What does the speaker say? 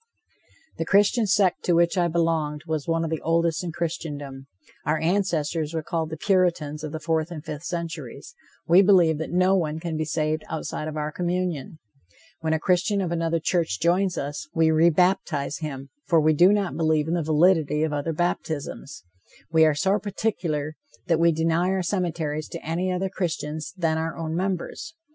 The Christian sect to which I belonged was one of the oldest in Christendom. Our ancestors were called the Puritans of the fourth and fifth centuries. We believe that no one can be saved outside of our communion. When a Christian of another church joins us, we re baptize him, for we do not believe in the validity of other baptisms. We are so particular that we deny our cemeteries to any other Christians than our own members.